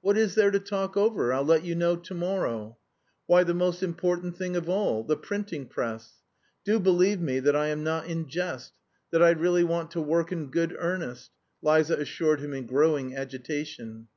"What is there to talk over? I'll let you know to morrow." "Why, the most important thing of all the printing press! Do believe me that I am not in jest, that I really want to work in good earnest!" Liza assured him in growing agitation.